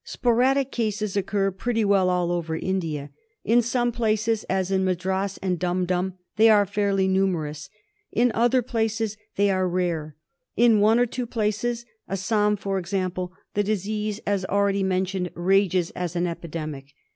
Sporadic cases occur pretty well all over India. In some places, as Madras and Dum Dum, they are fairly numerous ; in other places they are i rare; in one or two places, Assam for example, the disease, as already mentioned, rages as an epidemic.